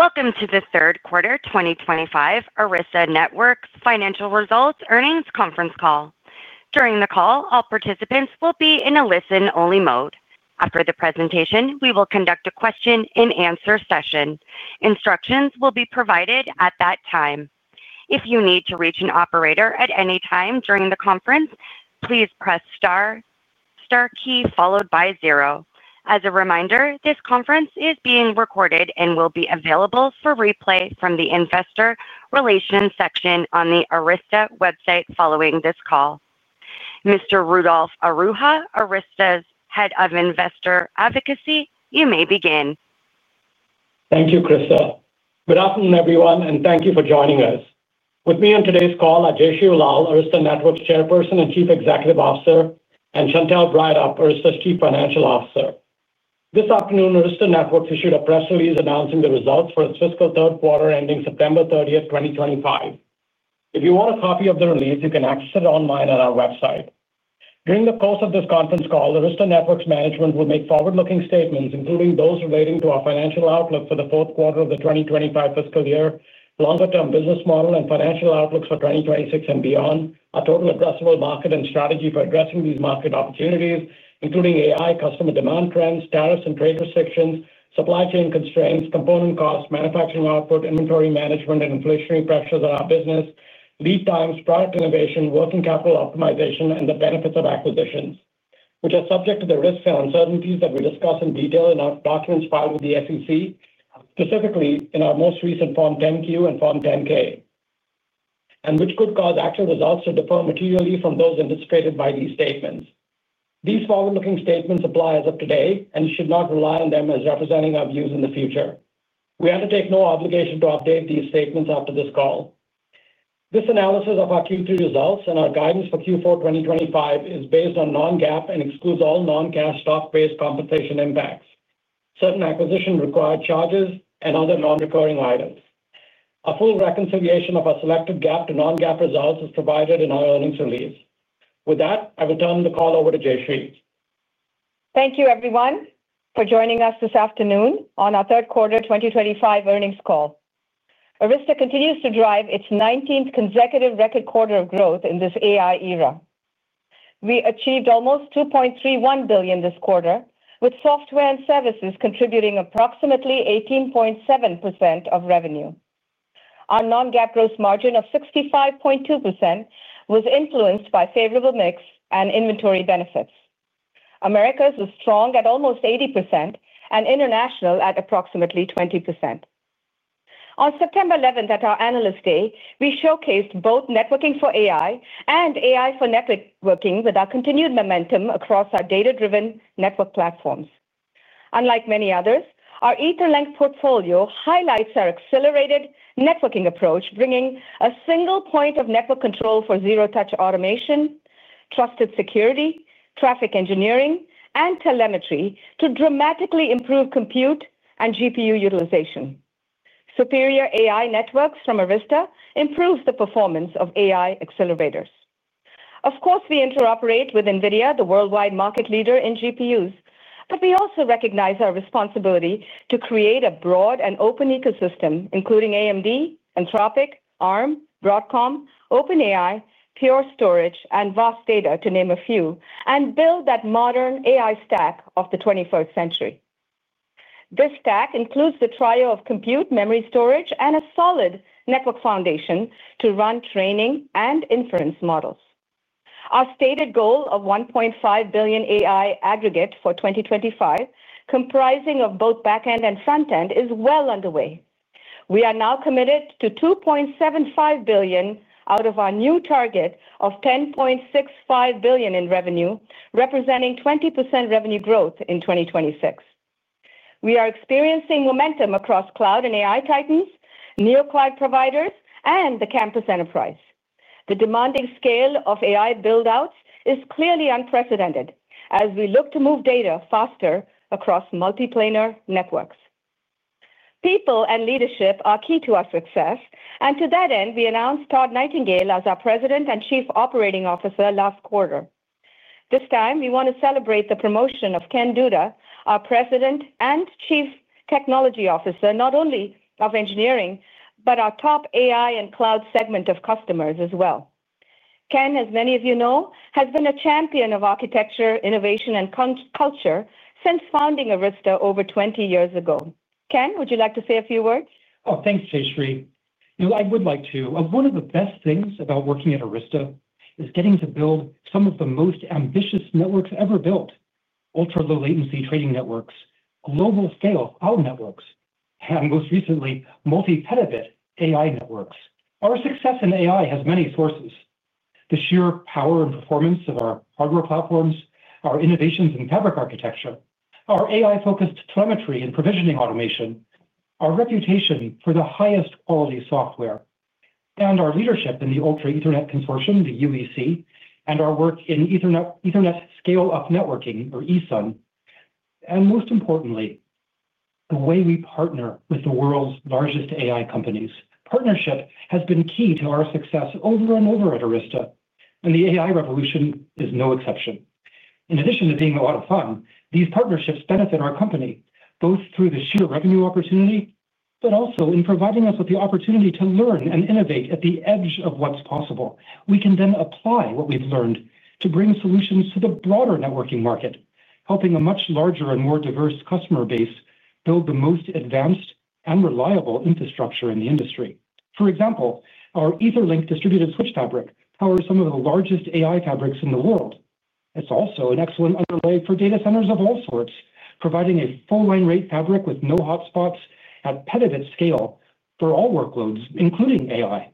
Welcome to the third quarter 2025 Arista Networks financial results earnings conference call. During the call, all participants will be in a listen-only mode. After the presentation, we will conduct a question-and-answer session. Instructions will be provided at that time. If you need to reach an operator at any time during the conference, please press star key followed by zero. As a reminder, this conference is being recorded and will be available for replay from the investor relations section on the Arista website following this call. Mr. Rudolph Araujo, Arista's Head of Investor Advocacy, you may begin. Thank you, Krista. Good afternoon, everyone, and thank you for joining us. With me on today's call are Jayshree Ullal, Arista Networks Chairperson and Chief Executive Officer, and Chantelle Breithaupt, Arista's Chief Financial Officer. This afternoon, Arista Networks issued a press release announcing the results for its fiscal third quarter ending September 30th, 2025. If you want a copy of the release, you can access it online at our website. During the course of this conference call, Arista Networks management will make forward-looking statements, including those relating to our financial outlook for the fourth quarter of the 2025 fiscal year, longer-term business model, and financial outlook for 2026 and beyond, a total addressable market and strategy for addressing these market opportunities, including AI, customer demand trends, tariffs and trade restrictions, supply chain constraints, component costs, manufacturing output, inventory management, and inflationary pressures on our business, lead times, product innovation, working capital optimization, and the benefits of acquisitions, which are subject to the risks and uncertainties that we discuss in detail in our documents filed with the SEC, specifically in our most recent Form 10Q and Form 10K, and which could cause actual results to differ materially from those anticipated by these statements. These forward-looking statements apply as of today, and you should not rely on them as representing our views in the future. We undertake no obligation to update these statements after this call. This analysis of our Q3 results and our guidance for Q4 2025 is based on non-GAAP and excludes all non-cash stock-based compensation impacts, certain acquisition-required charges, and other non-recurring items. A full reconciliation of our selected GAAP to non-GAAP results is provided in our earnings release. With that, I will turn the call over to Jayshree. Thank you, everyone, for joining us this afternoon on our third quarter 2025 earnings call. Arista continues to drive its 19th consecutive record quarter of growth in this AI era. We achieved almost $2.31 billion this quarter, with software and services contributing approximately 18.7% of revenue. Our non-GAAP gross margin of 65.2% was influenced by favorable mix and inventory benefits. Americas was strong at almost 80% and international at approximately 20%. On September 11th, at our Analyst Day, we showcased both networking for AI and AI for networking with our continued momentum across our data-driven network platforms. Unlike many others, our EtherLink portfolio highlights our accelerated networking approach, bringing a single point of network control for zero-touch automation, trusted security, traffic engineering, and telemetry to dramatically improve compute and GPU utilization. Superior AI networks from Arista improve the performance of AI accelerators. Of course, we interoperate with NVIDIA, the worldwide market leader in GPUs, but we also recognize our responsibility to create a broad and open ecosystem, including AMD, Anthropic, Arm, Broadcom, OpenAI, Pure Storage, and Vast Data, to name a few, and build that modern AI stack of the 21st century. This stack includes the trio of compute, memory storage, and a solid network foundation to run training and inference models. Our stated goal of $1.5 billion AI aggregate for 2025, comprising both backend and frontend, is well underway. We are now committed to $2.75 billion out of our new target of $10.65 billion in revenue, representing 20% revenue growth in 2026. We are experiencing momentum across cloud and AI titans, near cloud providers, and the campus enterprise. The demanding scale of AI buildouts is clearly unprecedented as we look to move data faster across multi-planar networks. People and leadership are key to our success, and to that end, we announced Todd Nightingale as our President and Chief Operating Officer last quarter. This time, we want to celebrate the promotion of Ken Duda, our President and Chief Technology Officer, not only of engineering, but our top AI and cloud segment of customers as well. Ken, as many of you know, has been a champion of architecture, innovation, and culture since founding Arista over 20 years ago. Ken, would you like to say a few words? Oh, thanks, Jayshree. One of the best things about working at Arista is getting to build some of the most ambitious networks ever built: ultra-low-latency trading networks, global-scale cloud networks, and most recently, multi-tenant AI networks. Our success in AI has many sources: the sheer power and performance of our hardware platforms, our innovations in fabric architecture, our AI-focused telemetry and provisioning automation, our reputation for the highest-quality software, and our leadership in the Ultra Ethernet Consortium, the UEC, and our work in Ethernet Scale-Up Networking, or ESUN, and most importantly, the way we partner with the world's largest AI companies. Partnership has been key to our success over and over at Arista, and the AI revolution is no exception. In addition to being a lot of fun, these partnerships benefit our company, both through the sheer revenue opportunity, but also in providing us with the opportunity to learn and innovate at the edge of what's possible. We can then apply what we've learned to bring solutions to the broader networking market, helping a much larger and more diverse customer base build the most advanced and reliable infrastructure in the industry. For example, our EtherLink distributed switch fabric powers some of the largest AI fabrics in the world. It's also an excellent underlay for data centers of all sorts, providing a full-line rate fabric with no hotspots at petabit scale for all workloads, including AI.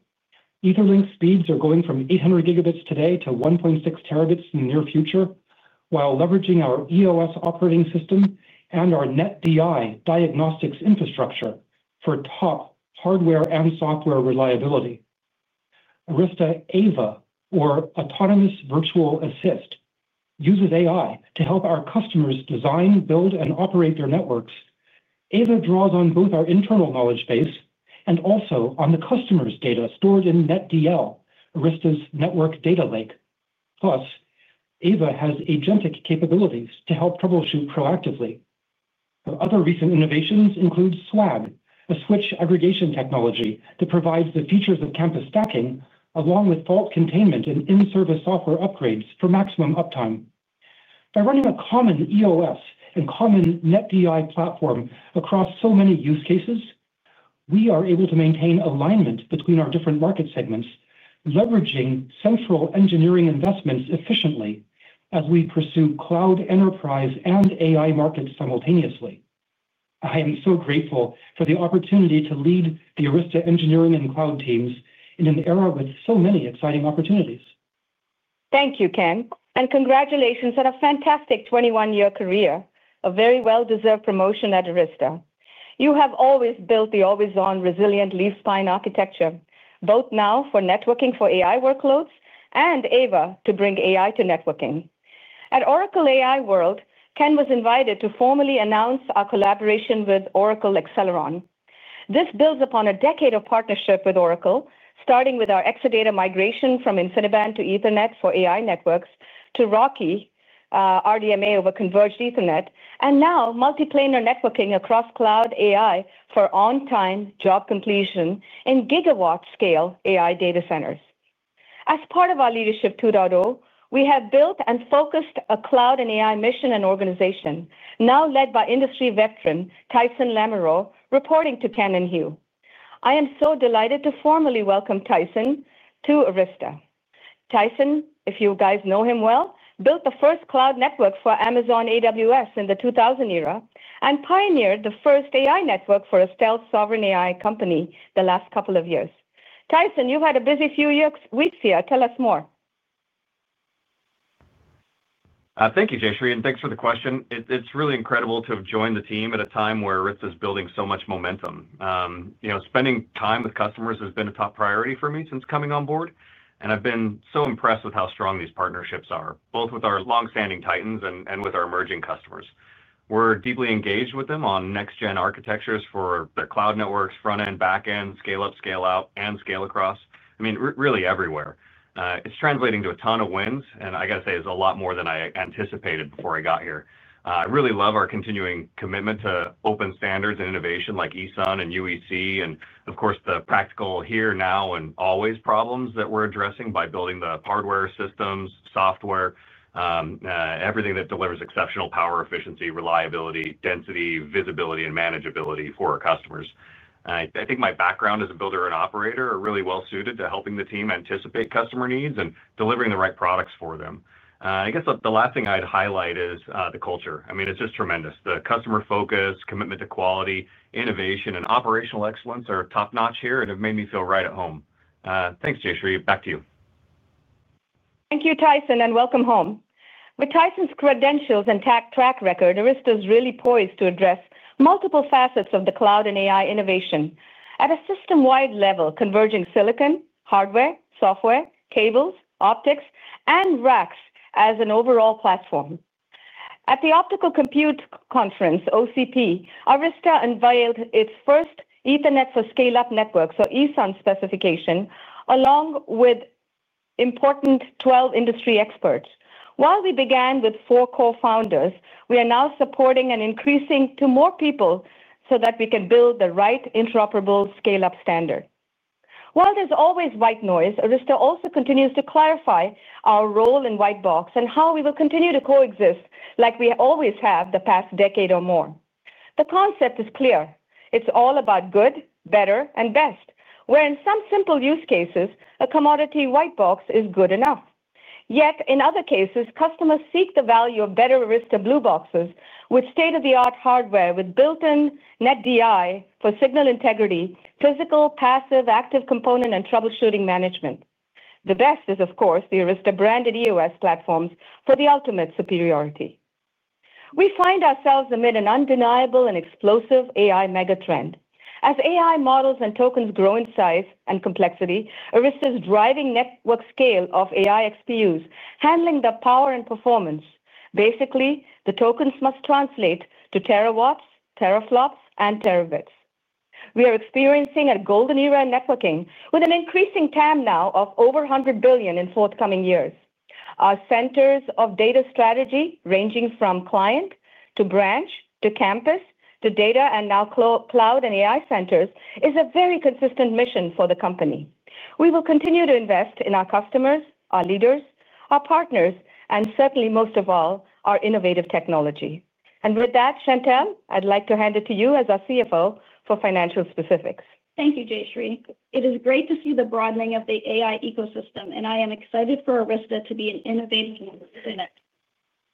EtherLink speeds are going from 800 Gb today to 1.6 terabits in the near future, while leveraging our EOS operating system and our NetDI diagnostics infrastructure for top hardware and software reliability. Arista AVA, or Autonomous Virtual Assist, uses AI to help our customers design, build, and operate their networks. AVA draws on both our internal knowledge base and also on the customer's data stored in NetDL, Arista's network data lake. Plus, AVA has agentic capabilities to help troubleshoot proactively. Other recent innovations include SWAG, a switch aggregation technology that provides the features of campus stacking, along with fault containment and in-service software upgrades for maximum uptime. By running a common EOS and common NetDI platform across so many use cases, we are able to maintain alignment between our different market segments, leveraging central engineering investments efficiently as we pursue cloud, enterprise, and AI markets simultaneously. I am so grateful for the opportunity to lead the Arista engineering and cloud teams in an era with so many exciting opportunities. Thank you, Ken, and congratulations on a fantastic 21-year career, a very well-deserved promotion at Arista. You have always built the always-on, resilient leaf spine architecture, both now for networking for AI workloads and AVA to bring AI to networking. At Oracle AI World, Ken was invited to formally announce our collaboration with Oracle Accelerate. This builds upon a decade of partnership with Oracle, starting with our Exadata migration from InfiniBand to Ethernet for AI networks to RoCE, RDMA over Converged Ethernet, and now multi-planar networking across cloud AI for on-time job completion in gigawatt-scale AI data centers. As part of our Leadership 2.0, we have built and focused a cloud and AI mission and organization, now led by industry veteran Tyson Lamoreaux, reporting to Ken and Hugh. I am so delighted to formally welcome Tyson to Arista. Tyson, if you guys know him well, built the first cloud network for Amazon AWS in the 2000 era and pioneered the first AI network for a stealth sovereign AI company the last couple of years. Tyson, you've had a busy few weeks here. Tell us more. Thank you, Jayshree, and thanks for the question. It's really incredible to have joined the team at a time where Arista is building so much momentum. Spending time with customers has been a top priority for me since coming on board, and I've been so impressed with how strong these partnerships are, both with our long-standing titans and with our emerging customers. We're deeply engaged with them on next-gen architectures for their cloud networks, front-end, back-end, scale-up, scale-out, and scale across. I mean, really everywhere. It's translating to a ton of wins, and I got to say, it's a lot more than I anticipated before I got here. I really love our continuing commitment to open standards and innovation like ESUN and UEC, and of course, the practical here, now, and always problems that we're addressing by building the hardware systems, software, everything that delivers exceptional power, efficiency, reliability, density, visibility, and manageability for our customers. I think my background as a builder and operator is really well-suited to helping the team anticipate customer needs and delivering the right products for them. I guess the last thing I'd highlight is the culture. I mean, it's just tremendous. The customer focus, commitment to quality, innovation, and operational excellence are top-notch here, and it made me feel right at home. Thanks, Jayshree. Back to you. Thank you, Tyson, and welcome home. With Tyson's credentials and track record, Arista is really poised to address multiple facets of the cloud and AI innovation at a system-wide level, converging silicon, hardware, software, cables, optics, and racks as an overall platform. At the Open Compute Project, OCP, Arista unveiled its first Ethernet Scale-Up Networking, or ESUN specification, along with 12 important industry experts. While we began with four co-founders, we are now supporting and increasing to more people so that we can build the right interoperable scale-up standard. While there's always white noise, Arista also continues to clarify our role in whitebox and how we will continue to coexist like we always have the past decade or more. The concept is clear. It's all about good, better, and best, where in some simple use cases, a commodity whitebox is good enough. Yet in other cases, customers seek the value of better Arista Blue Boxes with state-of-the-art hardware with built-in NetDI for signal integrity, physical, passive, active component, and troubleshooting management. The best is, of course, the Arista branded EOS platforms for the ultimate superiority. We find ourselves amid an undeniable and explosive AI mega trend. As AI models and tokens grow in size and complexity, Arista's driving network scale of AI XPUs handling the power and performance. Basically, the tokens must translate to terawatts, teraflops, and terabits. We are experiencing a golden era in networking with an increasing TAM now of over $100 billion in forthcoming years. Our data center strategy, ranging from client to branch to campus to data center and now cloud and AI centers, is a very consistent mission for the company. We will continue to invest in our customers, our leaders, our partners, and certainly, most of all, our innovative technology. With that, Chantelle, I'd like to hand it to you as our CFO for financial specifics. Thank you, Jayshree. It is great to see the broadening of the AI ecosystem, and I am excited for Arista to be an innovative unit.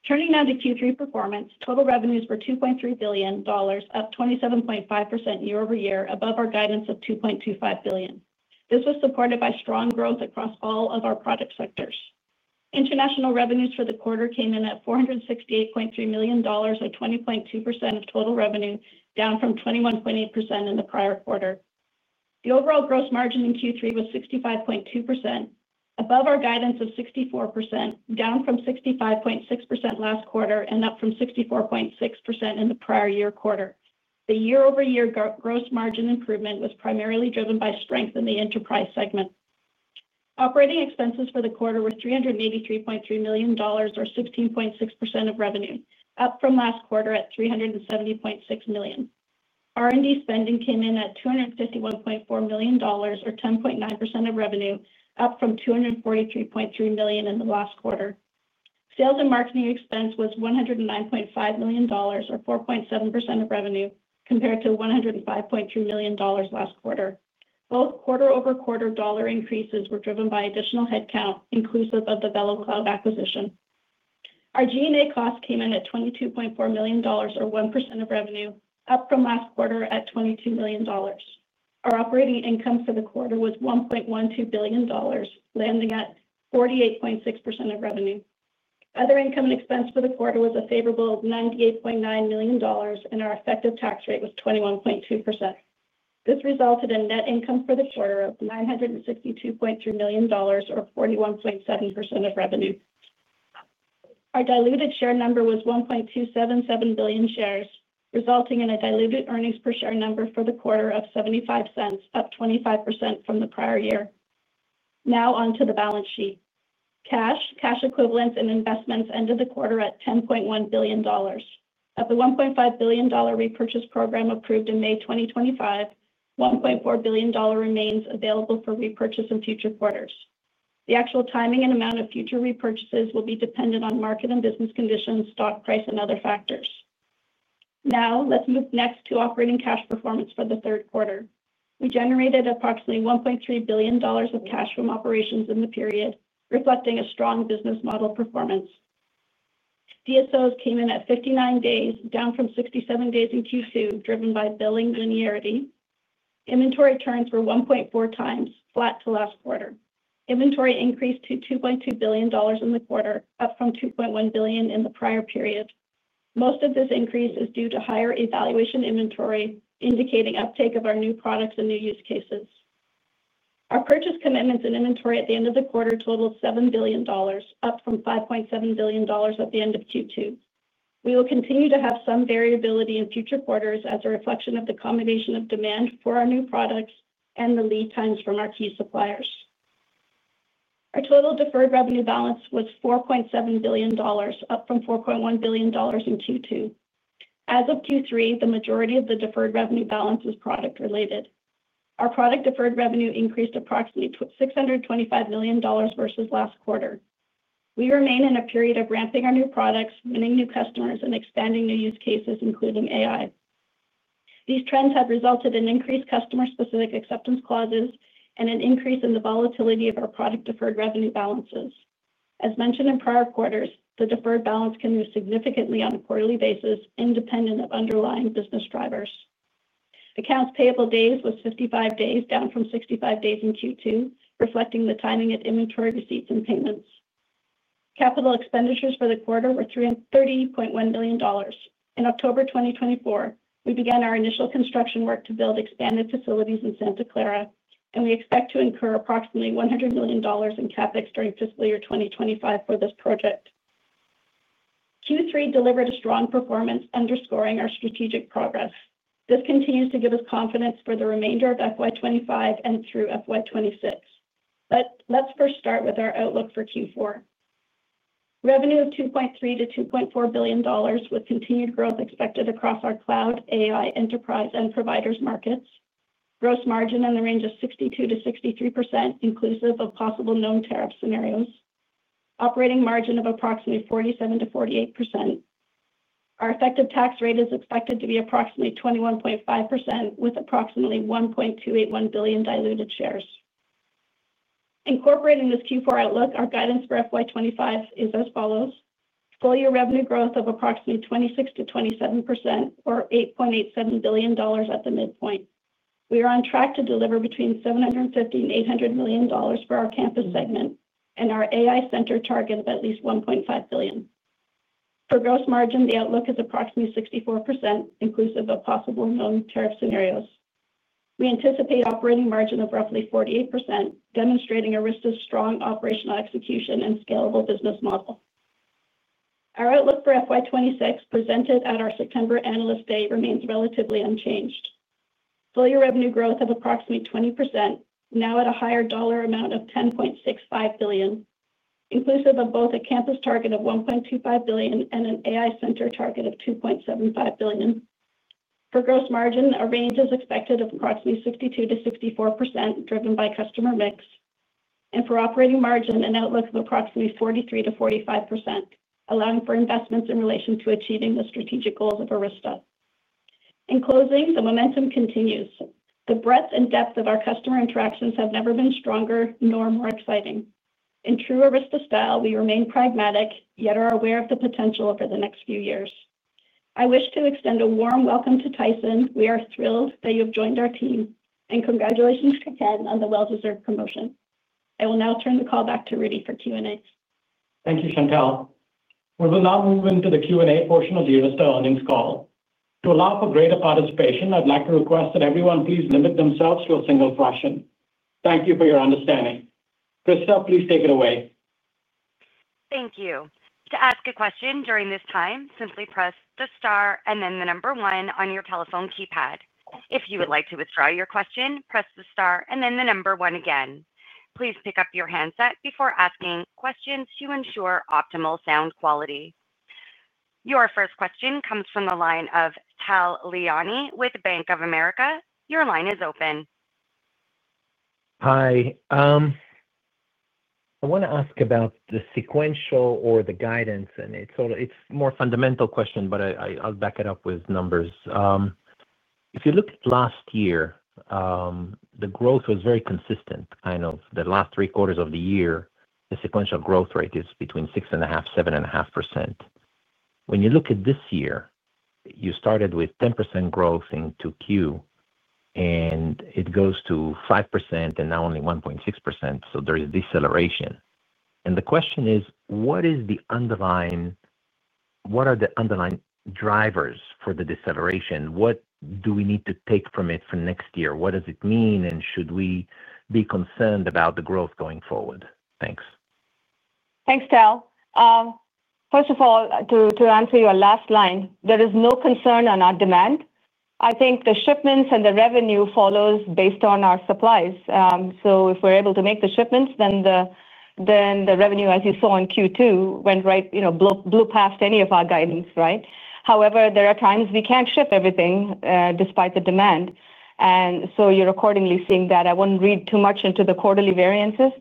Turning now to Q3 performance, total revenues were $2.3 billion, up 27.5% year-over-year, above our guidance of $2.25 billion. This was supported by strong growth across all of our product sectors. International revenues for the quarter came in at $468.3 million, at 20.2% of total revenue, down from 21.8% in the prior quarter. The overall gross margin in Q3 was 65.2%, above our guidance of 64%, down from 65.6% last quarter and up from 64.6% in the prior year quarter. The year-over-year gross margin improvement was primarily driven by strength in the enterprise segment. Operating expenses for the quarter were $383.3 million, or 16.6% of revenue, up from last quarter at $370.6 million. R&D spending came in at $251.4 million, or 10.9% of revenue, up from $243.3 million in the last quarter. Sales and marketing expense was $109.5 million, or 4.7% of revenue, compared to $105.3 million last quarter. Both quarter-over-quarter dollar increases were driven by additional headcount, inclusive of the VeloCloud acquisition. Our G&A costs came in at $22.4 million, or 1% of revenue, up from last quarter at $22 million. Our operating income for the quarter was $1.12 billion, landing at 48.6% of revenue. Other income and expense for the quarter was a favorable $98.9 million, and our effective tax rate was 21.2%. This resulted in net income for the quarter of $962.3 million, or 41.7% of revenue. Our diluted share number was 1.277 billion shares, resulting in a diluted earnings per share number for the quarter of $0.75, up 25% from the prior year. Now onto the balance sheet. Cash, cash equivalents, and investments ended the quarter at $10.1 billion. At the $1.5 billion repurchase program approved in May 2025, $1.4 billion remains available for repurchase in future quarters. The actual timing and amount of future repurchases will be dependent on market and business conditions, stock price, and other factors. Now, let's move next to operating cash performance for the third quarter. We generated approximately $1.3 billion of cash from operations in the period, reflecting a strong business model performance. DSOs came in at 59 days, down from 67 days in Q2, driven by billing linearity. Inventory turns were 1.4x, flat to last quarter. Inventory increased to $2.2 billion in the quarter, up from $2.1 billion in the prior period. Most of this increase is due to higher evaluation inventory, indicating uptake of our new products and new use cases. Our purchase commitments and inventory at the end of the quarter totaled $7 billion, up from $5.7 billion at the end of Q2. We will continue to have some variability in future quarters as a reflection of the combination of demand for our new products and the lead times from our key suppliers. Our total deferred revenue balance was $4.7 billion, up from $4.1 billion in Q2. As of Q3, the majority of the deferred revenue balance is product-related. Our product deferred revenue increased approximately $625 million versus last quarter. We remain in a period of ramping our new products, winning new customers, and expanding new use cases, including AI. These trends have resulted in increased customer-specific acceptance clauses and an increase in the volatility of our product deferred revenue balances. As mentioned in prior quarters, the deferred balance can move significantly on a quarterly basis, independent of underlying business drivers. Accounts payable days was 55 days, down from 65 days in Q2, reflecting the timing of inventory receipts and payments. Capital expenditures for the quarter were $30.1 million. In October 2024, we began our initial construction work to build expanded facilities in Santa Clara, and we expect to incur approximately $100 million in CapEx during fiscal year 2025 for this project. Q3 delivered a strong performance, underscoring our strategic progress. This continues to give us confidence for the remainder of FY 2025 and through FY 2026. But let's first start with our outlook for Q4. Revenue of $2.3 billion-$2.4 billion with continued growth expected across our cloud, AI, enterprise, and providers markets. Gross margin in the range of 62%-63%, inclusive of possible known tariff scenarios. Operating margin of approximately 47%-48%. Our effective tax rate is expected to be approximately 21.5% with approximately $1.281 billion diluted shares. Incorporating this Q4 outlook, our guidance for FY 2025 is as follows. Full-year revenue growth of approximately 26%-27%, or $8.87 billion at the midpoint. We are on track to deliver between $750 million-$800 million for our campus segment, and our AI center target of at least $1.5 billion. For gross margin, the outlook is approximately 64%, inclusive of possible known tariff scenarios. We anticipate operating margin of roughly 48%, demonstrating Arista's strong operational execution and scalable business model. Our outlook for FY 2026, presented at our September Analyst Day, remains relatively unchanged. Full-year revenue growth of approximately 20%, now at a higher dollar amount of $10.65 billion, inclusive of both a campus target of $1.25 billion and an AI center target of $2.75 billion. For gross margin, a range is expected of approximately 62%-64%, driven by customer mix, and for operating margin, an outlook of approximately 43%-45%, allowing for investments in relation to achieving the strategic goals of Arista. In closing, the momentum continues. The breadth and depth of our customer interactions have never been stronger nor more exciting. In true Arista style, we remain pragmatic, yet are aware of the potential over the next few years. I wish to extend a warm welcome to Tyson. We are thrilled that you have joined our team, and congratulations to Chantelle on the well-deserved promotion. I will now turn the call back to Rudy for Q&A. Thank you, Chantelle. We will now move into the Q&A portion of the Arista earnings call. To allow for greater participation, I'd like to request that everyone please limit themselves to a single question. Thank you for your understanding. Krista, please take it away. Thank you. To ask a question during this time, simply press the star and then the number one on your telephone keypad. If you would like to withdraw your question, press the star and then the number one again. Please pick up your handset before asking questions to ensure optimal sound quality. Your first question comes from the line of Tal Liani with Bank of America. Your line is open. Hi. I want to ask about the sequential or the guidance, and it's a more fundamental question, but I'll back it up with numbers. If you look at last year, the growth was very consistent. I know the last three quarters of the year, the sequential growth rate is between 6.5% and 7.5%. When you look at this year, you started with 10% growth into Q, and it goes to 5% and now only 1.6%. So there is deceleration. And the question is, what are the underlying drivers for the deceleration? What do we need to take from it for next year? What does it mean, and should we be concerned about the growth going forward? Thanks. Thanks, Tal. First of all, to answer your last line, there is no concern on our demand. I think the shipments and the revenue follows based on our supplies. So if we're able to make the shipments, then the revenue, as you saw in Q2, went right, blew past any of our guidance, right? However, there are times we can't ship everything despite the demand, and so you're accordingly seeing that. I wouldn't read too much into the quarterly variances,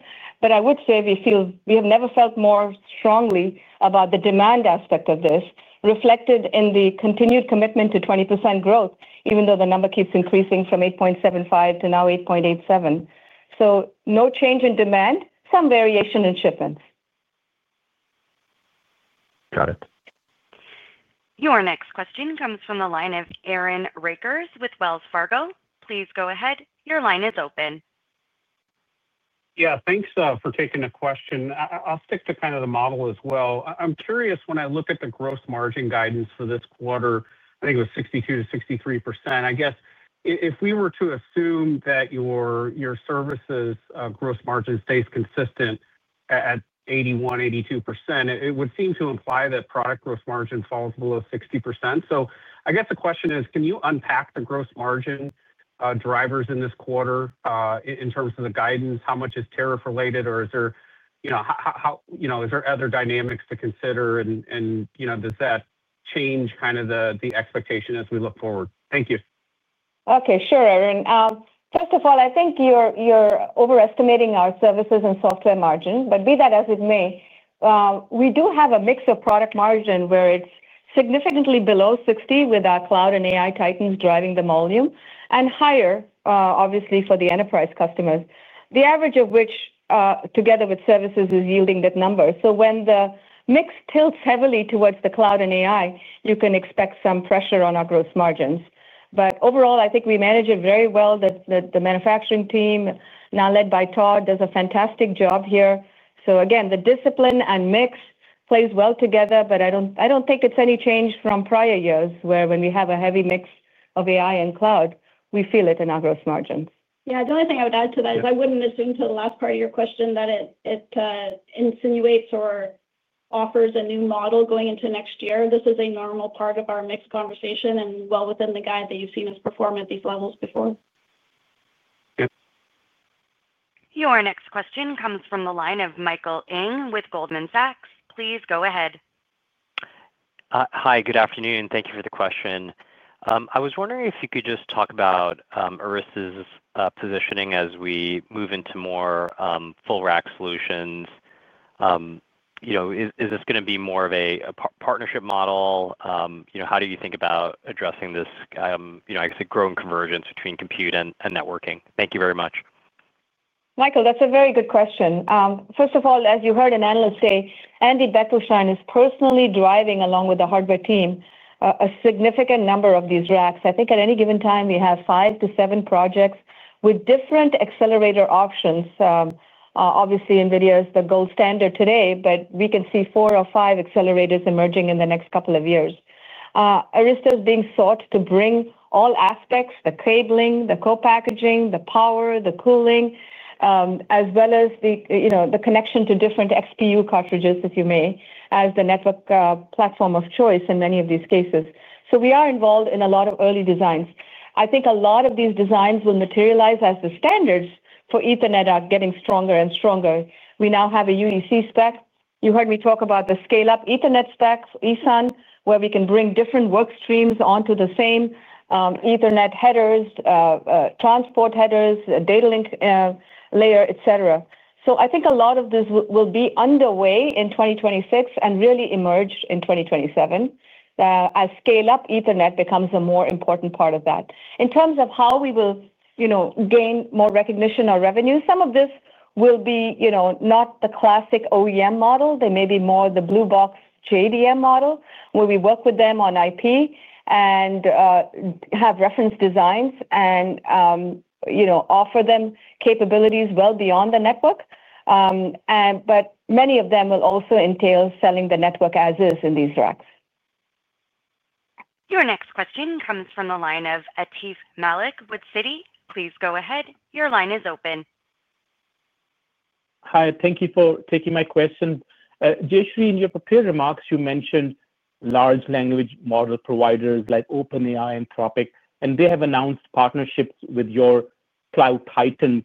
but I would say we feel we have never felt more strongly about the demand aspect of this, reflected in the continued commitment to 20% growth, even though the number keeps increasing from 8.75% to now 8.87%. So no change in demand, some variation in shipments. Got it. Your next question comes from the line of Aaron Rakers with Wells Fargo. Please go ahead. Your line is open. Yeah, thanks for taking the question. I'll stick to kind of the model as well. I'm curious, when I look at the gross margin guidance for this quarter, I think it was 62%-63%. I guess if we were to assume that your services gross margin stays consistent at 81%-82%, it would seem to imply that product gross margin falls below 60%. So I guess the question is, can you unpack the gross margin drivers in this quarter in terms of the guidance? How much is tariff related, or is there other dynamics to consider? And does that change kind of the expectation as we look forward? Thank you. Okay, sure, Aaron. First of all, I think you're overestimating our services and software margins, but be that as it may, we do have a mix of product margin where it's significantly below 60% with our cloud and AI titans driving the volume and higher, obviously, for the enterprise customers, the average of which, together with services, is yielding that number. So when the mix tilts heavily towards the Cloud and AI, you can expect some pressure on our gross margins. But overall, I think we manage it very well. The manufacturing team, now led by Todd, does a fantastic job here. So again, the discipline and mix plays well together, but I don't think it's any change from prior years where when we have a heavy mix of AI and Cloud, we feel it in our gross margin. Yeah, the only thing I would add to that is I wouldn't assume till the last part of your question that it insinuates or offers a new model going into next year. This is a normal part of our mixed conversation and well within the guide that you've seen us perform at these levels before. Yep. Your next question comes from the line of Michael Ng with Goldman Sachs. Please go ahead. Hi, good afternoon. Thank you for the question. I was wondering if you could just talk about Arista's positioning as we move into more full rack solutions. Is this going to be more of a partnership model? How do you think about addressing this, I guess, a growing convergence between compute and networking? Thank you very much. Michael, that's a very good question. First of all, as you heard an analyst say, Andy Bechtolsheim is personally driving, along with the hardware team, a significant number of these racks. I think at any given time, we have five to seven projects with different accelerator options. Obviously, NVIDIA is the gold standard today, but we can see four or five accelerators emerging in the next couple of years. Arista is being sought to bring all aspects, the cabling, the co-packaging, the power, the cooling, as well as the connection to different XPU cartridges, if you may, as the network platform of choice in many of these cases. So we are involved in a lot of early designs. I think a lot of these designs will materialize as the standards for Ethernet are getting stronger and stronger. We now have a UEC spec. You heard me talk about the scale-up Ethernet spec, ESUN, where we can bring different work streams onto the same Ethernet headers, transport headers, data link layer, et cetera. So I think a lot of this will be underway in 2026 and really emerge in 2027. As scale-up Ethernet becomes a more important part of that. In terms of how we will gain more recognition or revenue, some of this will be not the classic OEM model. There may be more of the Blue Box JDM model where we work with them on IP and have reference designs and offer them capabilities well beyond the network. But many of them will also entail selling the network as is in these racks. Your next question comes from the line of Atif Malik with Citi. Please go ahead. Your line is open. Hi, thank you for taking my question. Jayshree, in your prepared remarks, you mentioned large language model providers like OpenAI and Anthropic, and they have announced partnerships with your cloud titan.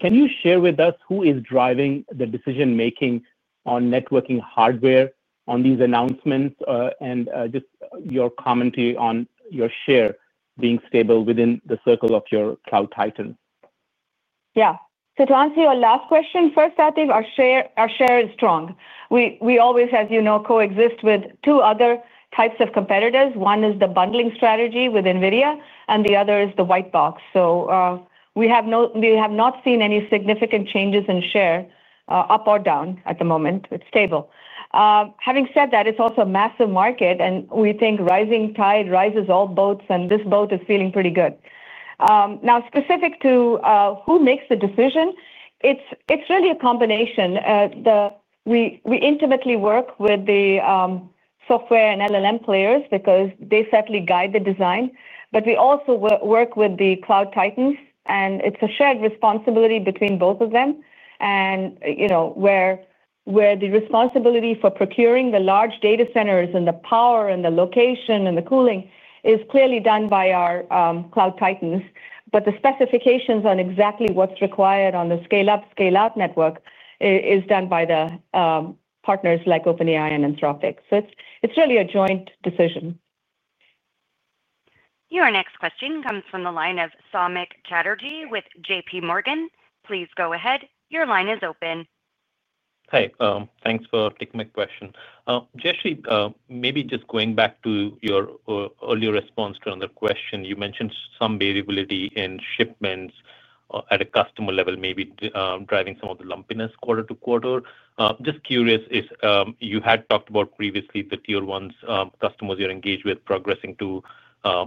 Can you share with us who is driving the decision-making on networking hardware on these announcements and just your commentary on your share being stable within the circle of your cloud titan? Yeah. So to answer your last question, first, I think our share is strong. We always, as you know, coexist with two other types of competitors. One is the bundling strategy with NVIDIA, and the other is the white box. So we have not seen any significant changes in share, up or down, at the moment. It's stable. Having said that, it's also a massive market, and we think rising tide rises all boats, and this boat is feeling pretty good. Now, specific to who makes the decision, it's really a combination. We intimately work with the software and LLM players because they certainly guide the design, but we also work with the cloud titans, and it's a shared responsibility between both of them. And where the responsibility for procuring the large data centers and the power and the location and the cooling is clearly done by our cloud titans, but the specifications on exactly what's required on the scale-up, scale-out network is done by the partners like OpenAI and Anthropic. So it's really a joint decision. Your next question comes from the line of Samik Chatterjee with JPMorgan. Please go ahead. Your line is open. Hi. Thanks for taking my question. Jayshree, maybe just going back to your earlier response to another question, you mentioned some variability in shipments. At a customer level, maybe driving some of the lumpiness quarter to quarter. Just curious, you had talked about previously the tier one customers you're engaged with progressing to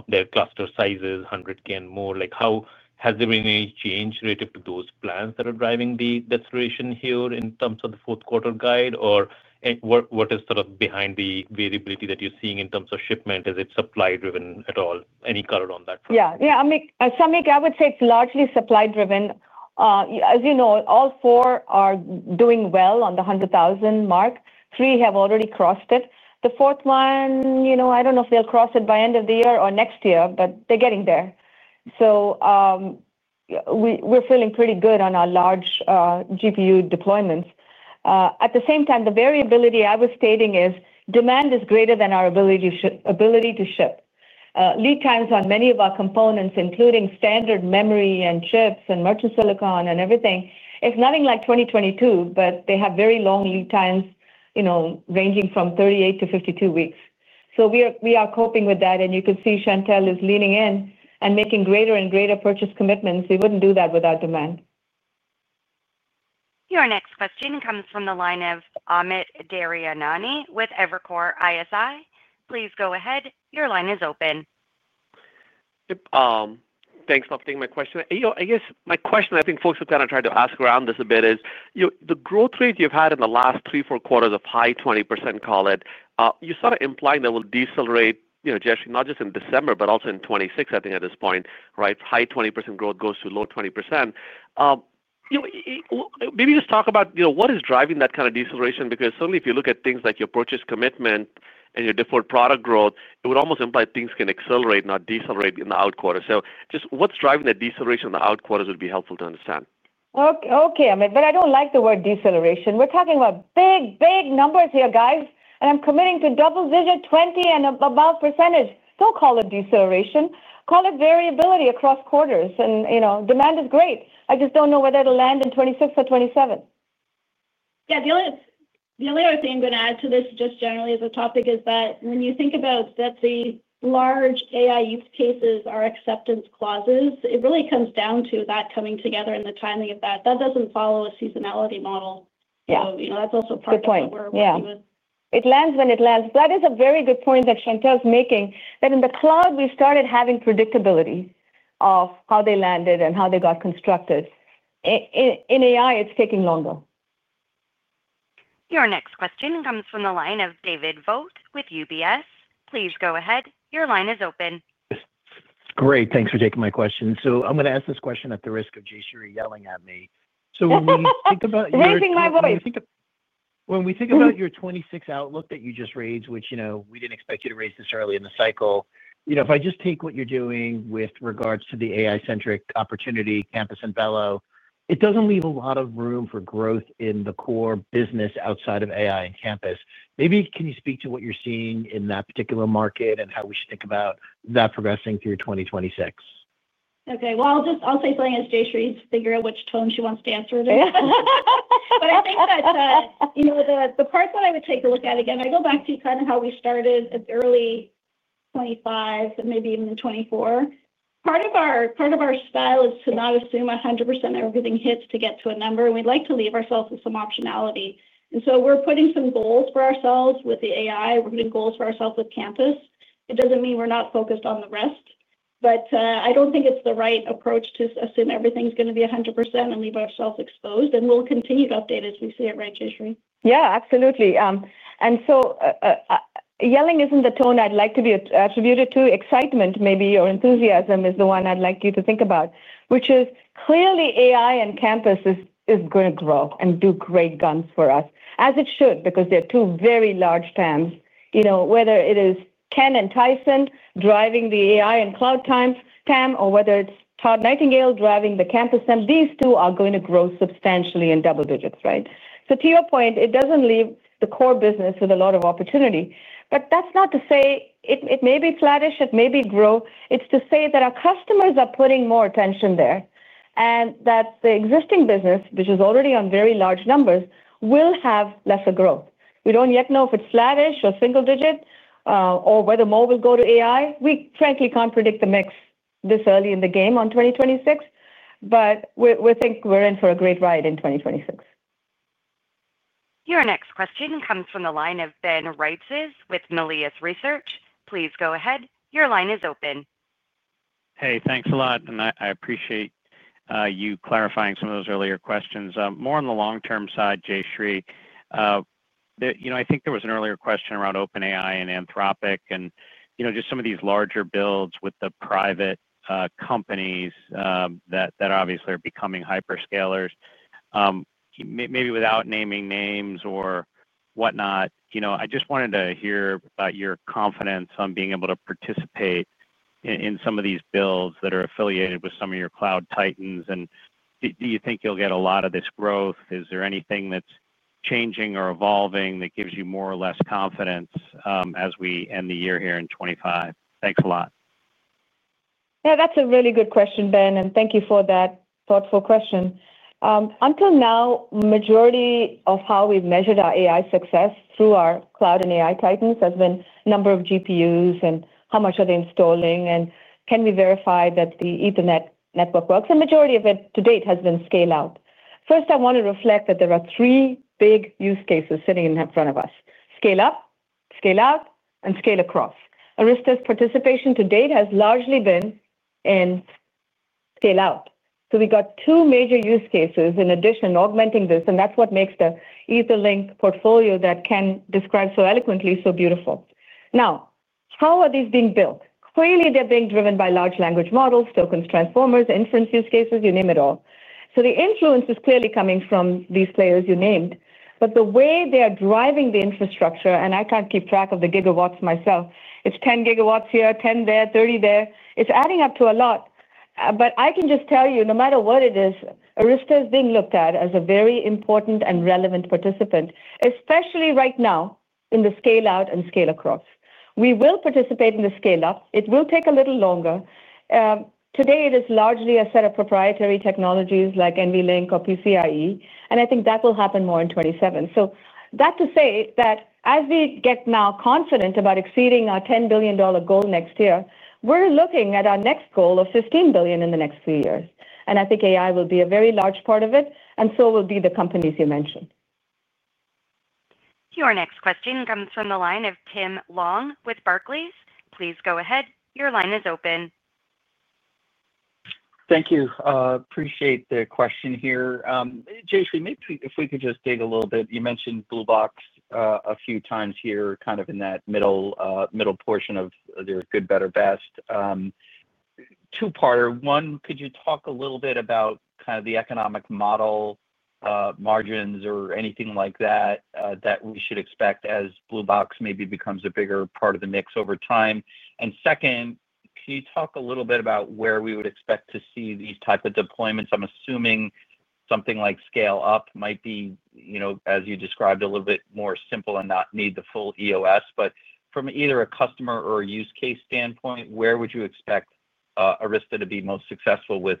their cluster sizes, 100,000 and more. How has there been any change related to those plans that are driving the deceleration here in terms of the fourth quarter guide? Or what is sort of behind the variability that you're seeing in terms of shipment? Is it supply-driven at all? Any color on that? Yeah. Yeah. I mean, Sawmick, I would say it's largely supply-driven. As you know, all four are doing well on the 100,000 mark. Three have already crossed it. The fourth one, I don't know if they'll cross it by end of the year or next year, but they're getting there. So. We're feeling pretty good on our large GPU deployments. At the same time, the variability I was stating is demand is greater than our ability to ship. Lead times on many of our components, including standard memory and chips and merchant silicon and everything, are nothing like 2022, but they have very long lead times. Ranging from 38 weeks-52 weeks. So we are coping with that, and you can see Chantelle is leaning in and making greater and greater purchase commitments. We wouldn't do that without demand. Your next question comes from the line of Amit Daryanani with Evercore ISI. Please go ahead. Your line is open. Thanks for taking my question. I guess my question, I think folks have kind of tried to ask around this a bit, is the growth rate you've had in the last three, four quarters of high 20%, call it, you started implying that will decelerate, Jayshree, not just in December, but also in 2026, I think at this point, right? High 20% growth goes to low 20%. Maybe just talk about what is driving that kind of deceleration? Because certainly, if you look at things like your purchase commitment and your different product growth, it would almost imply things can accelerate, not decelerate in the out quarter. So just what's driving the deceleration in the out quarters would be helpful to understand. Okay, Amit, but I don't like the word deceleration. We're talking about big, big numbers here, guys, and I'm committing to double-digit 20% and above. Don't call it deceleration. Call it variability across quarters, and demand is great. I just don't know whether it'll land in 2026 or 2027. Yeah. The only other thing I'm going to add to this just generally as a topic is that when you think about that the large AI use cases are acceptance clauses, it really comes down to that coming together and the timing of that. That doesn't follow a seasonality model. So that's also part of where we're going with. Yeah. It lands when it lands. That is a very good point that Chantelle's making, that in the cloud, we started having predictability of how they landed and how they got constructed. In AI, it's taking longer. Your next question comes from the line of David Vogt with UBS. Please go ahead. Your line is open. Great. Thanks for taking my question. So I'm going to ask this question at the risk of Jayshree yelling at me. So when we think about your. Raising my voice. When we think about your 2026 outlook that you just raised, which we didn't expect you to raise this early in the cycle, if I just take what you're doing with regards to the AI-centric opportunity, campus and VeloCloud, it doesn't leave a lot of room for growth in the core business outside of AI and campus. Maybe can you speak to what you're seeing in that particular market and how we should think about that progressing through 2026? Okay. Well, I'll say things, Jayshree, to figure out which tone she wants to answer it in. But I think that. The parts that I would take a look at, again, I go back to kind of how we started as early 2025 and maybe even 2024. Part of our style is to not assume 100% that we're getting hits to get to a number, and we'd like to leave ourselves with some optionality. And so we're putting some goals for ourselves with the AI. We're putting goals for ourselves with campus. It doesn't mean we're not focused on the rest, but I don't think it's the right approach to assume everything's going to be 100% and leave ourselves exposed. And we'll continue to update as we see it, right, Jayshree? Yeah, absolutely. And so. Yelling isn't the tone I'd like to be attributed to. Excitement, maybe your enthusiasm is the one I'd like you to think about, which is clearly AI and campus is going to grow and go great guns for us, as it should, because there are two very large plans. Whether it is Ken and Tyson driving the AI and cloud team's plan, or whether it's Todd Nightingale driving the campus plan, these two are going to grow substantially in double digits, right? So to your point, it doesn't leave the core business with a lot of opportunity. But that's not to say it may be flattish, it may be growth. It's to say that our customers are putting more attention there and that the existing business, which is already on very large numbers, will have lesser growth. We don't yet know if it's flattish or single digit or whether more will go to AI. We, frankly, can't predict the mix this early in the game on 2026, but we think we're in for a great ride in 2026. Your next question comes from the line of Ben Reitzes with Melius Research. Please go ahead. Your line is open. Hey, thanks a lot. And I appreciate you clarifying some of those earlier questions. More on the long-term side, Jayshree. I think there was an earlier question around OpenAI and Anthropic and just some of these larger builds with the private companies that obviously are becoming hyperscalers. Maybe without naming names or whatnot, I just wanted to hear about your confidence on being able to participate in some of these builds that are affiliated with some of your cloud titans. And do you think you'll get a lot of this growth? Is there anything that's changing or evolving that gives you more or less confidence as we end the year here in 2025? Thanks a lot. Yeah, that's a really good question, Ben, and thank you for that thoughtful question. Until now, the majority of how we've measured our AI success through our cloud and AI titans has been number of GPUs and how much are they installing and can we verify that the Ethernet network works. The majority of it to date has been scale-out. First, I want to reflect that there are three big use cases sitting in front of us: scale-up, scale-out, and scale-across. Arista's participation to date has largely been in scale-out. So we got two major use cases in addition augmenting this, and that's what makes the EtherLink portfolio that Ken described so eloquently so beautiful. Now, how are these being built? Clearly, they're being driven by large language models, tokens transformers, inference use cases, you name it all. So the influence is clearly coming from these players you named, but the way they are driving the infrastructure, and I can't keep track of the gigawatts myself, it's 10 gigawatts here, 10 gigawatts there, 30 gigawatts there. It's adding up to a lot. But I can just tell you, no matter what it is, Arista is being looked at as a very important and relevant participant, especially right now in the scale-out and scale-across. We will participate in the scale-up. It will take a little longer. Today, it is largely a set of proprietary technologies like NVLink or PCIe, and I think that will happen more in 2027. So that to say that as we get now confident about exceeding our $10 billion goal next year, we're looking at our next goal of $15 billion in the next three years. And I think AI will be a very large part of it, and so will be the companies you mentioned. Your next question comes from the line of Tim Long with Barclays. Please go ahead. Your line is open. Thank you. Appreciate the question here. Jayshree, maybe if we could just dig a little bit, you mentioned Blue Box a few times here, kind of in that middle portion of the good, better, best. Two-parter. One, could you talk a little bit about kind of the economic model, margins or anything like that that we should expect as Blue Box maybe becomes a bigger part of the mix over time? And second, can you talk a little bit about where we would expect to see these types of deployments? I'm assuming something like scale-up might be, as you described, a little bit more simple and not need the full EOS, but from either a customer or a use case standpoint, where would you expect Arista to be most successful with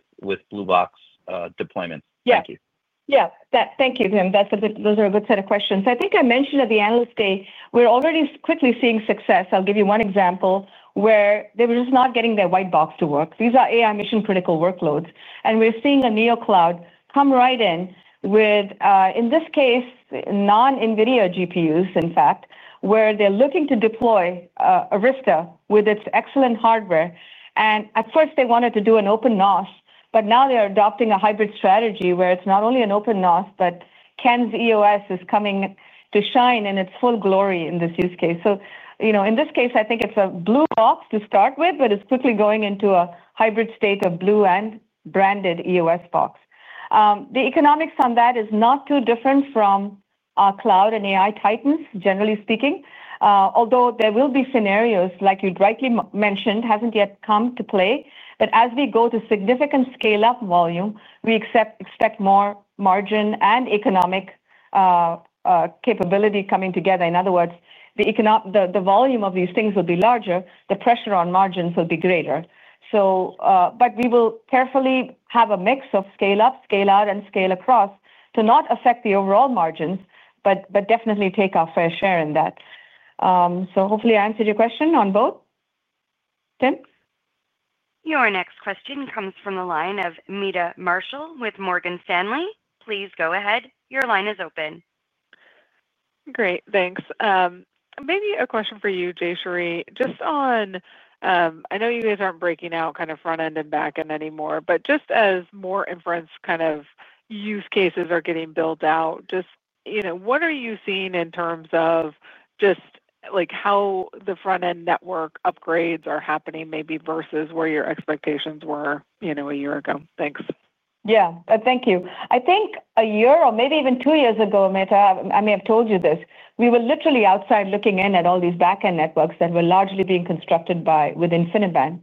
Blue Box deployment? Yeah. Thank you, Tim. Those are a good set of questions. I think I mentioned at the analyst day, we're already quickly seeing success. I'll give you one example where they were just not getting their white box to work. These are AI mission-critical workloads, and we're seeing a NeoCloud come right in with, in this case, non-NVIDIA GPUs, in fact, where they're looking to deploy Arista with its excellent hardware. And at first, they wanted to do an open NOS, but now they are adopting a hybrid strategy where it's not only an open NOS, but Ken's EOS is coming to shine in its full glory in this use case. So in this case, I think it's a Blue Box to start with, but it's quickly going into a hybrid state of blue and branded EOS box. The economics on that is not too different from our cloud and AI titans, generally speaking, although there will be scenarios, like you'd rightly mentioned, hasn't yet come to play. But as we go to significant scale-up volume, we expect more margin and economic capability coming together. In other words, the volume of these things will be larger, the pressure on margins will be greater. But we will carefully have a mix of scale-up, scale-out, and scale-across to not affect the overall margins, but definitely take our fair share in that. So hopefully I answered your question on both. Tim? Your next question comes from the line of Meta Marshall with Morgan Stanley. Please go ahead. Your line is open. Great. Thanks. Maybe a question for you, Jayshree. Just on. I know you guys aren't breaking out kind of front-end and back-end anymore, but just as more inference kind of use cases are getting built out, just what are you seeing in terms of. Just how the front-end network upgrades are happening maybe versus where your expectations were a year ago? Thanks. Yeah. Thank you. I think a year or maybe even two years ago, Meta, I may have told you this, we were literally outside looking in at all these back-end networks that were largely being constructed within Infiniband.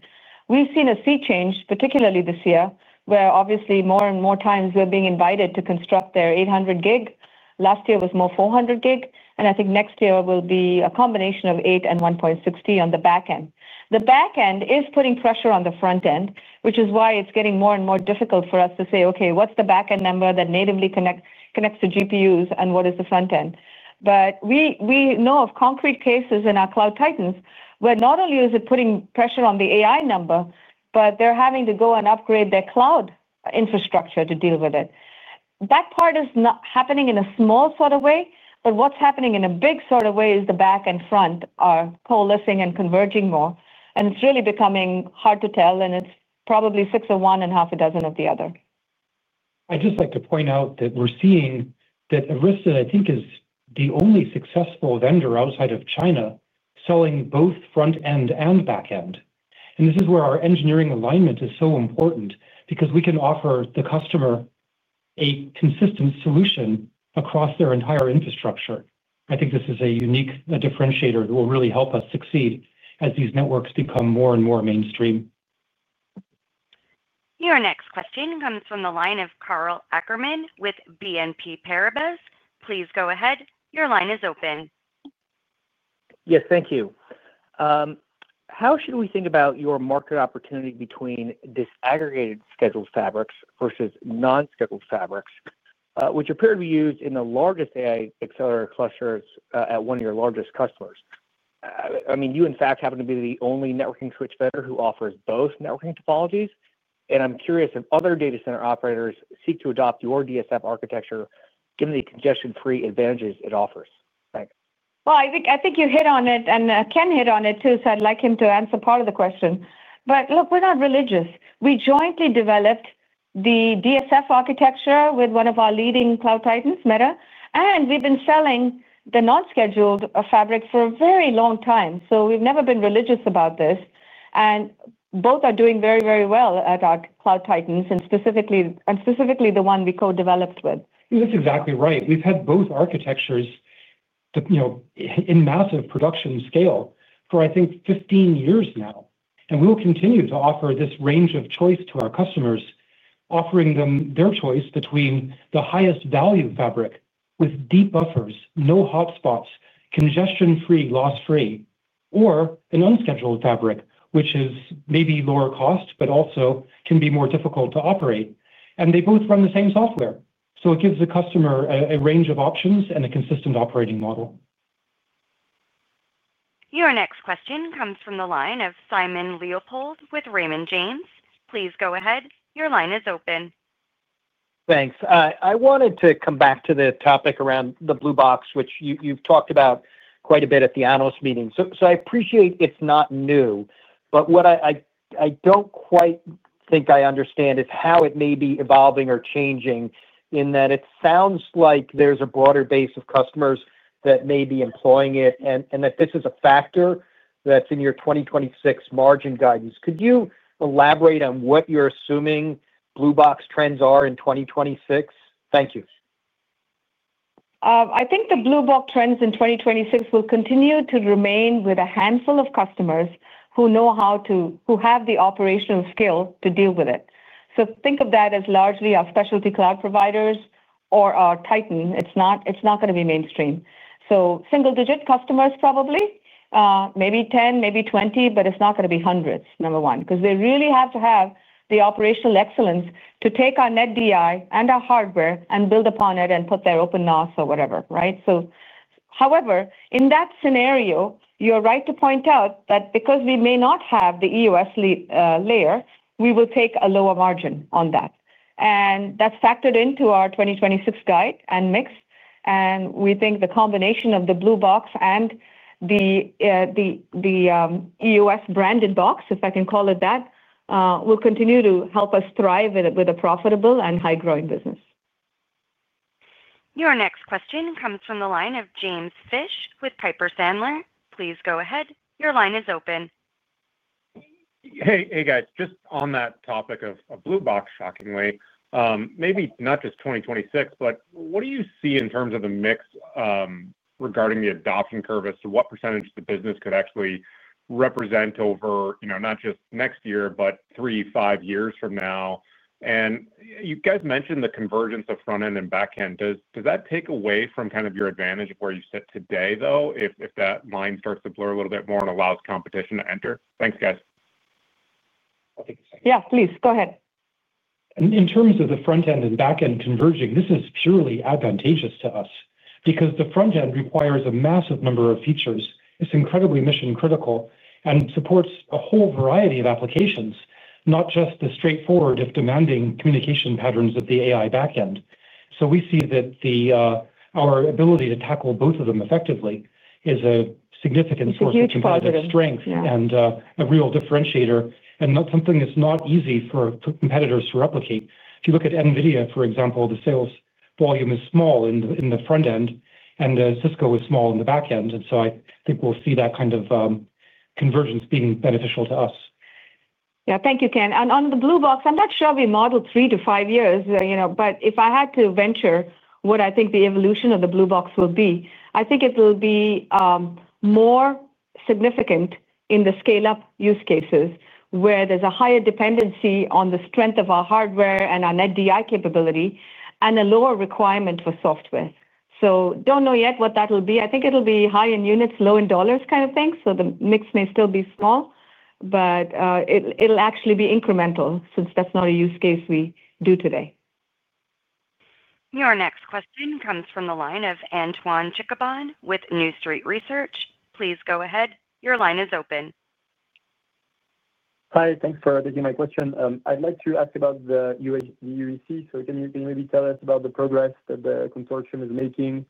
We've seen a sea change, particularly this year, where obviously more and more times we're being invited to construct their 800 gig. Last year was more 400 gig, and I think next year will be a combination of 800 and 1.6T on the back-end. The back-end is putting pressure on the front-end, which is why it's getting more and more difficult for us to say, "Okay, what's the back-end number that natively connects to GPUs and what is the front-end?" But we know of concrete cases in our cloud titans where not only is it putting pressure on the AI number, but they're having to go and upgrade their cloud infrastructure to deal with it. That part is happening in a small sort of way, but what's happening in a big sort of way is the back and front are coalescing and converging more, and it's really becoming hard to tell, and it's probably six of one and half a dozen of the other. I'd just like to point out that we're seeing that Arista, I think, is the only successful vendor outside of China selling both front-end and back-end. And this is where our engineering alignment is so important because we can offer the customer a consistent solution across their entire infrastructure. I think this is a unique differentiator that will really help us succeed as these networks become more and more mainstream. Your next question comes from the line of Karl Ackerman with BNP Paribas. Please go ahead. Your line is open. Yes, thank you. How should we think about your market opportunity between disaggregated scheduled fabrics versus non-scheduled fabrics, which appear to be used in the largest AI accelerator clusters at one of your largest customers? I mean, you, in fact, happen to be the only networking switch vendor who offers both networking topologies. And I'm curious if other data center operators seek to adopt your DSF architecture, given the congestion-free advantages it offers. Thanks. I think you hit on it, and Ken hit on it too, so I'd like him to answer part of the question. Look, we're not religious. We jointly developed the DSF architecture with one of our leading cloud titans, Meta, and we've been selling the non-scheduled fabrics for a very long time. We've never been religious about this. Both are doing very, very well at our cloud titans and specifically the one we co-developed with. You're just exactly right. We've had both architectures in massive production scale for, I think, 15 years now, and we will continue to offer this range of choice to our customers, offering them their choice between the highest value fabric with deep buffers, no hotspots, congestion-free, loss-free, or an unscheduled fabric, which is maybe lower cost, but also can be more difficult to operate, and they both run the same software, so it gives the customer a range of options and a consistent operating model. Your next question comes from the line of Simon Leopold with Raymond James. Please go ahead. Your line is open. Thanks. I wanted to come back to the topic around the Blue Box, which you've talked about quite a bit at the analyst meeting. So I appreciate it's not new, but what I don't quite think I understand is how it may be evolving or changing in that it sounds like there's a broader base of customers that may be employing it and that this is a factor that's in your 2026 margin guidance. Could you elaborate on what you're assuming Blue Box trends are in 2026? Thank you. I think the Blue Box trends in 2026 will continue to remain with a handful of customers who know how to, who have the operational skill to deal with it. So think of that as largely our specialty cloud providers or our titan. It's not going to be mainstream. So single-digit customers probably, maybe 10 customers, maybe 20 customers, but it's not going to be hundreds, number one, because they really have to have the operational excellence to take our NetDI and our hardware and build upon it and put their open NOS or whatever, right? However, in that scenario, you're right to point out that because we may not have the EOS layer, we will take a lower margin on that. And that's factored into our 2026 guide and mix. And we think the combination of the Blue Box and the EOS branded box, if I can call it that, will continue to help us thrive with a profitable and high-growing business. Your next question comes from the line of James Fish with Piper Sandler. Please go ahead. Your line is open. Hey, guys, just on that topic of Blue Box, shockingly, maybe not just 2026, but what do you see in terms of the mix? Regarding the adoption curve as to what percentage the business could actually represent over not just next year, but three, five years from now? And you guys mentioned the convergence of front-end and back-end. Does that take away from kind of your advantage of where you sit today, though, if that line starts to blur a little bit more and allows competition to enter? Thanks, guys. Yeah, please, go ahead. In terms of the front-end and back-end converging, this is purely advantageous to us because the front-end requires a massive number of features. It's incredibly mission-critical and supports a whole variety of applications, not just the straightforward, if demanding, communication patterns of the AI back-end. So we see that. Our ability to tackle both of them effectively is a significant source of strength and a real differentiator and not something that's not easy for competitors to replicate. If you look at NVIDIA, for example, the sales volume is small in the front-end and Cisco is small in the back-end. And so I think we'll see that kind of convergence being beneficial to us. Yeah, thank you, Ken. And on the Blue Box, I'm not sure we model three to five years, but if I had to venture what I think the evolution of the Blue Box will be, I think it will be more significant in the scale-up use cases where there's a higher dependency on the strength of our hardware and our NetDI capability and a lower requirement for software. So don't know yet what that will be. I think it'll be high in units, low in dollars kind of thing. So the mix may still be small, but it'll actually be incremental since that's not a use case we do today. Your next question comes from the line of Antoine Chkaiban with New Street Research. Please go ahead. Your line is open. Hi, thanks for taking my question. I'd like to ask about the UEC, so can you maybe tell us about the progress that the consortium is making,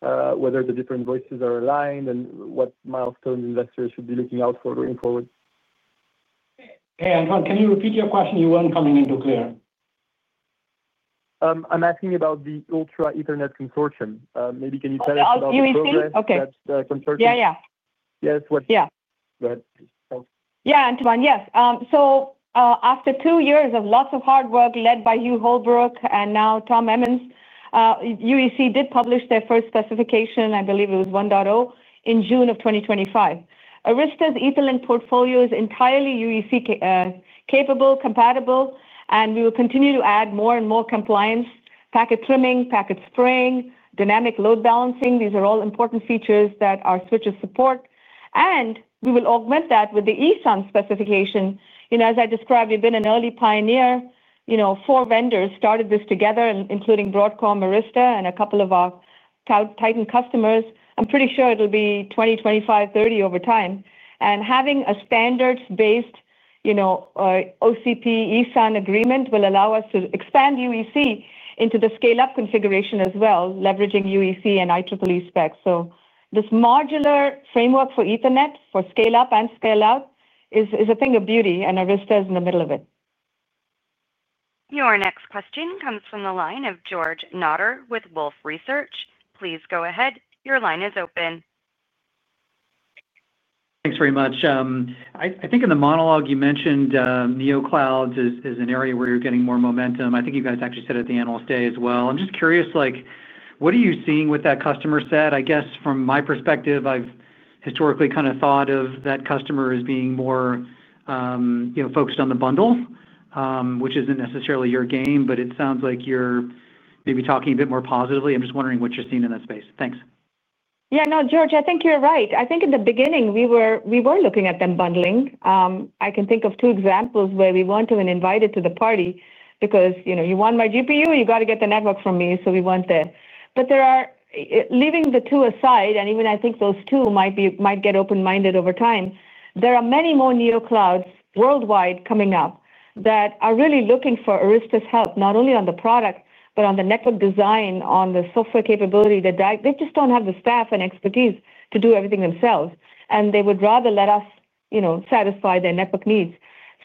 whether the different voices are aligned, and what milestones investors should be looking out for going forward? Hey, Antoine, can you repeat your question? You weren't coming in clear. I'm asking about the Ultra Ethernet Consortium. Maybe can you tell us about the Ultra Ethernet Consortium? Yeah, yeah. Yes. Yeah, Antoine, yes. So after two years of lots of hard work led by Hugh Holbrook and now Tom Emmons, UEC did publish their first specification, I believe it was 1.0, in June of 2025. Arista's Ethernet portfolio is entirely UEC-capable, compatible, and we will continue to add more and more compliance, packet trimming, packet spraying, dynamic load balancing. These are all important features that our switches support. And we will augment that with the ESUN specification. As I described, we've been an early pioneer. Four vendors started this together, including Broadcom, Arista, and a couple of our Titan customers. I'm pretty sure it'll be 20 vendors, 25 vendors, 30 vendors over time. And having a standards-based OCP ESUN agreement will allow us to expand UEC into the scale-up configuration as well, leveraging UEC and IEEE specs. So this modular framework for Ethernet, for scale-up and scale-out, is a thing of beauty, and Arista is in the middle of it. Your next question comes from the line of George Notter with Wolfe Research. Please go ahead. Your line is open. Thanks very much. I think in the monologue, you mentioned VeloCloud is an area where you're getting more momentum. I think you guys actually said at the Analyst Day as well. I'm just curious. What are you seeing with that customer set? I guess from my perspective, I've historically kind of thought of that customer as being more focused on the bundle, which isn't necessarily your game, but it sounds like you're maybe talking a bit more positively. I'm just wondering what you're seeing in that space. Thanks. Yeah, no, George, I think you're right. I think in the beginning, we were looking at them bundling. I can think of two examples where we went to and invited to the party because you want my GPU, you got to get the network from me, so we went there. But leaving the two aside, and even I think those two might get open-minded over time, there are many more NeoClouds worldwide coming up that are really looking for Arista's help, not only on the product, but on the network design, on the software capability. They just don't have the staff and expertise to do everything themselves, and they would rather let us satisfy their network needs.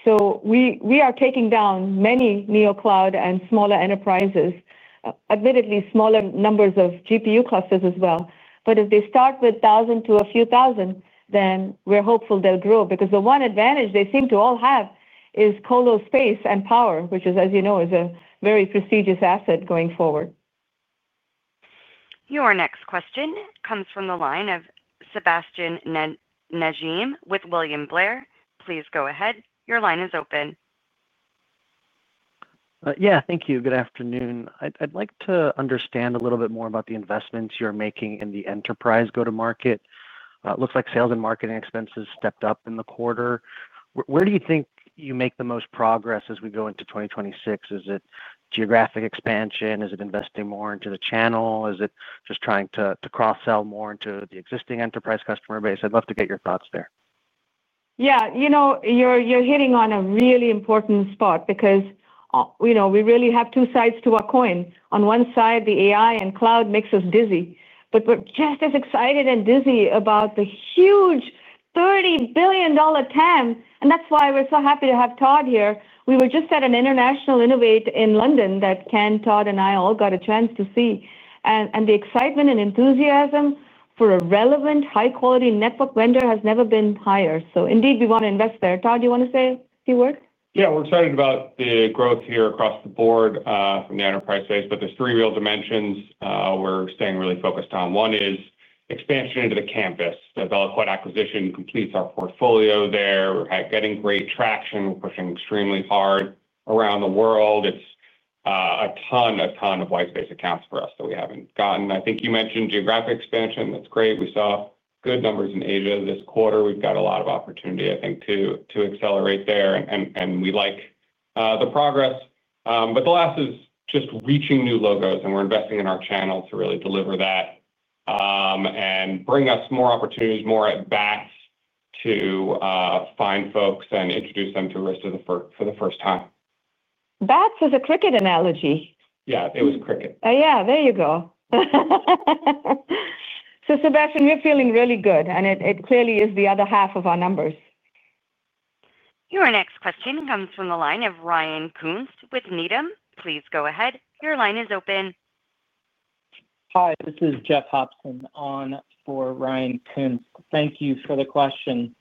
So we are taking down many NeoCloud and smaller enterprises, admittedly smaller numbers of GPU clusters as well. But if they start with a thousand to a few thousand, then we're hopeful they'll grow because the one advantage they seem to all have is colo space and power, which, as you know, is a very prestigious asset going forward. Your next question comes from the line of Sebastien Naji with William Blair. Please go ahead. Your line is open. Yeah, thank you. Good afternoon. I'd like to understand a little bit more about the investments you're making in the enterprise go-to-market. It looks like sales and marketing expenses stepped up in the quarter. Where do you think you make the most progress as we go into 2026? Is it geographic expansion? Is it investing more into the channel? Is it just trying to cross-sell more into the existing enterprise customer base? I'd love to get your thoughts there. Yeah, you're hitting on a really important spot because we really have two sides to our coin. On one side, the AI and cloud mix is dizzying, but we're just as excited and dizzying about the huge $30 billion TAM. And that's why we're so happy to have Todd here. We were just at an International Innovate in London that Ken, Todd, and I all got a chance to see. And the excitement and enthusiasm for a relevant, high-quality network vendor has never been higher. So indeed, we want to invest there. Todd, do you want to say a few words? Yeah, we're excited about the growth here across the board from the enterprise space, but there's three real dimensions we're staying really focused on. One is expansion into the campus. The VeloCloud acquisition completes our portfolio there. We're getting great traction. We're pushing extremely hard around the world. It's a ton, a ton of white space accounts for us that we haven't gotten. I think you mentioned geographic expansion. That's great. We saw good numbers in Asia this quarter. We've got a lot of opportunity, I think, to accelerate there, and we like the progress. But the last is just reaching new logos, and we're investing in our channel to really deliver that and bring us more opportunities, more at-bats to find folks and introduce them to Arista for the first time. Thats is a cricket analogy. Yeah, it was cricket. Yeah, there you go. So Sebastien, we're feeling really good, and it clearly is the other half of our numbers. Your next question comes from the line of Ryan Koontz with Needham. Please go ahead. Your line is open. Hi, this is Jeff Hopson on for Ryan Koontz. Thank you for the question.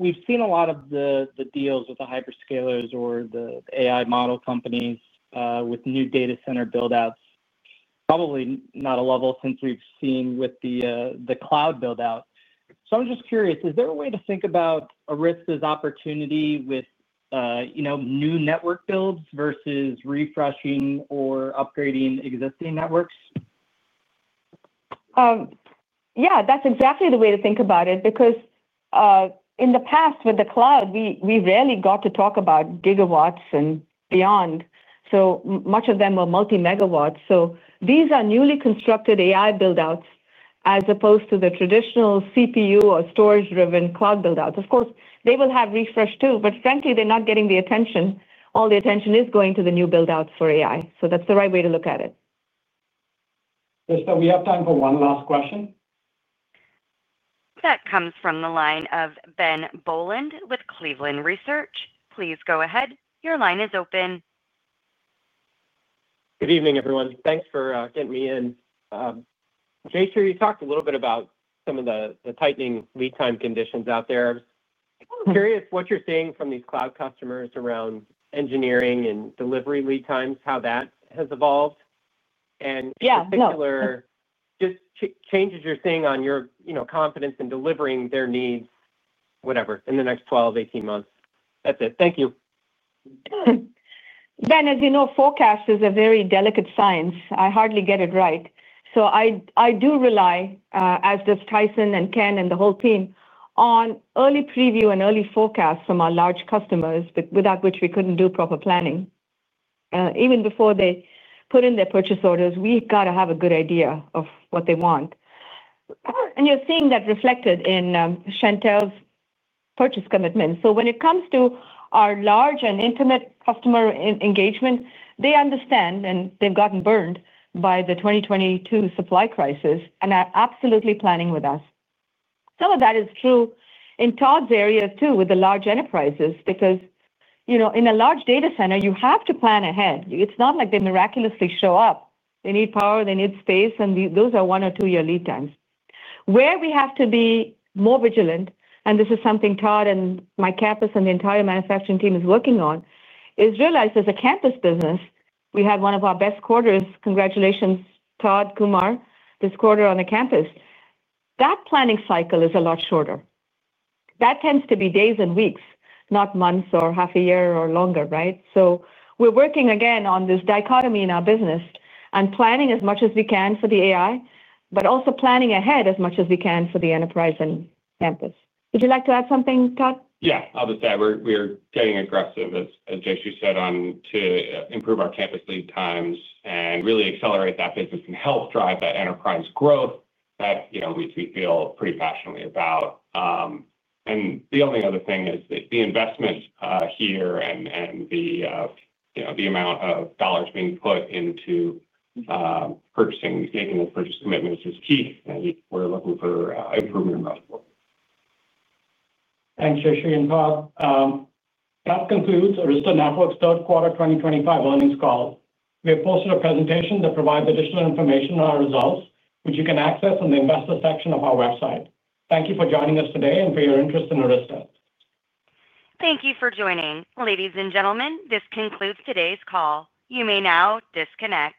We've seen a lot of the deals with the hyperscalers or the AI model companies with new data center buildouts. Probably not a level since we've seen with the cloud buildout. So I'm just curious, is there a way to think about Arista's opportunity with new network builds versus refreshing or upgrading existing networks? Yeah, that's exactly the way to think about it, because in the past, with the cloud, we rarely got to talk about gigawatts and beyond. So much of them were multi-megawatts. So these are newly constructed AI buildouts as opposed to the traditional CPU or storage-driven cloud buildouts. Of course, they will have refresh too, but frankly, they're not getting the attention. All the attention is going to the new buildouts for AI. So that's the right way to look at it. Yes, but we have time for one last question. That comes from the line of Ben Bollin with Cleveland Research. Please go ahead. Your line is open. Good evening, everyone. Thanks for getting me in. Jason, you talked a little bit about some of the tightening lead time conditions out there. I'm curious what you're seeing from these cloud customers around engineering and delivery lead times, how that has evolved? And particular. Just changes you're seeing on your confidence in delivering their needs, whatever, in the next 12 months-18 months. That's it. Thank you. Ben, as you know, forecast is a very delicate science. I hardly get it right. So I do rely, as does Tyson and Ken and the whole team, on early preview and early forecasts from our large customers, without which we couldn't do proper planning. Even before they put in their purchase orders, we've got to have a good idea of what they want. And you're seeing that reflected in Chantelle's purchase commitment. So when it comes to our large and intimate customer engagement, they understand, and they've gotten burned by the 2022 supply crisis, and are absolutely planning with us. Some of that is true in Todd's area too, with the large enterprises, because. In a large data center, you have to plan ahead. It's not like they miraculously show up. They need power, they need space, and those are one- or two-year lead times. Where we have to be more vigilant, and this is something Todd and my campus and the entire manufacturing team is working on, is, realize as a campus business, we had one of our best quarters. Congratulations, Todd. Congrats, this quarter on the campus. That planning cycle is a lot shorter. That tends to be days and weeks, not months or half a year or longer, right? So we're working again on this dichotomy in our business and planning as much as we can for the AI, but also planning ahead as much as we can for the enterprise and campus. Would you like to add something, Todd? Yeah, I'll just add we're getting aggressive, as Jesse said, to improve our campus lead times and really accelerate that business and help drive that enterprise growth that we feel pretty passionately about. And the only other thing is the investment here and the amount of dollars being put into making this purchase commitment is just key. We're looking for improvement. Jayshree and Todd. That concludes Arista Networks' third quarter 2025 earnings call. We have posted a presentation that provides additional information on our results, which you can access in the investor section of our website. Thank you for joining us today and for your interest in Arista. Thank you for joining. Ladies and gentlemen, this concludes today's call. You may now disconnect.